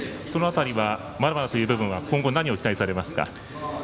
まだまだという部分は今後、何を期待されますか？